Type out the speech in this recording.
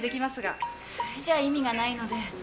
それじゃ意味がないので。